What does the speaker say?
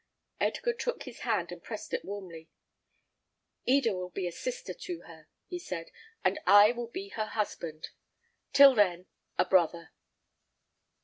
Edgar took his hand and pressed it warmly. "Eda will be a sister to her," he said, "and I will be her husband; till then, a brother."